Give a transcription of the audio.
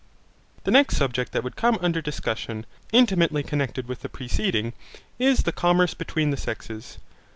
The next subject that would come under discussion, intimately connected with the preceding, is the commerce between the sexes.